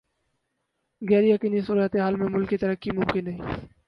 غیر یقینی صورتحال میں ملکی ترقی ممکن نہیں